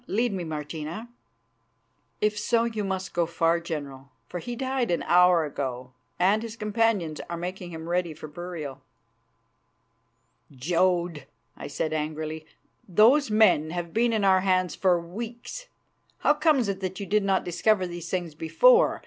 Lead me, Martina." "If so, you must go far, General, for he died an hour ago, and his companions are making him ready for burial." "Jodd," I said angrily, "those men have been in our hands for weeks. How comes it that you did not discover these things before?